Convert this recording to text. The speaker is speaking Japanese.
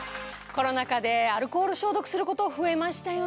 コロナ禍でアルコール消毒すること増えましたよね。